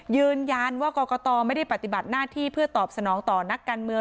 ยืนยันว่ากรกตไม่ได้ปฏิบัติหน้าที่เพื่อตอบสนองต่อนักการเมือง